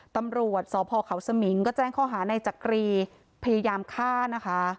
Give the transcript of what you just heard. ตำรวจสพเขาสมิงก็แจ้งข้อหาในจักรีพยายามฆ่านะคะ